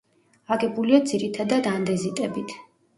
აგებულია ძირითადად ანდეზიტებით.